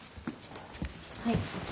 はい。